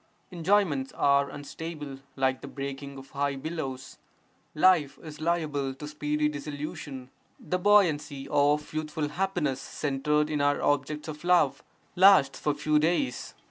Enjoyments are unstable like the breaking of high billows, life is liable to speedy dissolution; the buoyancy of youthful happiness centred in our objects of love lasts for few days.